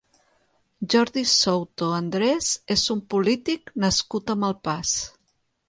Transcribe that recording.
Jordi Souto Andrés és un polític nascut a Malpàs.